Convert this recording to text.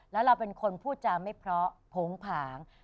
แล้วเราเป็นคนพูดจาไม่เพราะโผงผาง